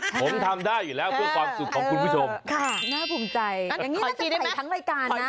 ทั้งรายการนะขออีกทีอะไรนะขออีกที